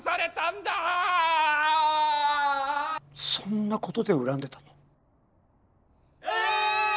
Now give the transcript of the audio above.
そんなことで恨んでたの？